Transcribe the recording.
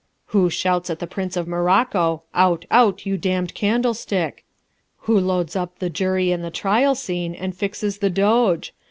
Who shouts at the Prince of Morocco, 'Out, out, you damned candlestick'? Who loads up the jury in the trial scene and fixes the doge?